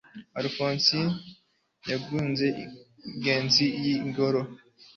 alphonso yagonze ingazi y'ingoro